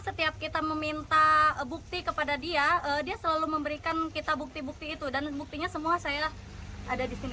setiap kita meminta bukti kepada dia dia selalu memberikan kita bukti bukti itu dan buktinya semua saya ada di sini